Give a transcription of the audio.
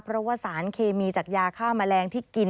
เพราะว่าสารเคมีจากยาฆ่าแมลงที่กิน